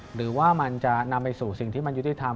หรือว่ามันจะนำไปสู่สิ่งที่มันยุติธรรม